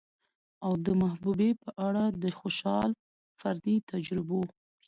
او د محبوبې په اړه د خوشال فردي تجربو